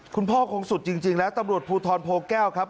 คุณพ่อคงสุดจริงแล้วตำรวจภูทรโพแก้วครับ